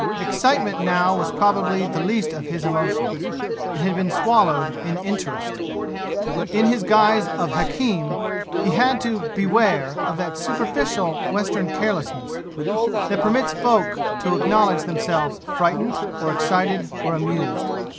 Excitement now was probably the least of his emotions. It had been swallowed in interest. But in his guise of hakim he had to beware of that superficial western carelessness, that permits folk to acknowledge themselves frightened or excited or amused.